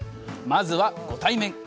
まずはご対面！